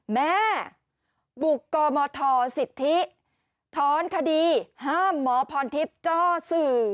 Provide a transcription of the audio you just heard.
แม่บุกกมทสิทธิถอนคดีห้ามหมอพรทิพย์จ้อสื่อ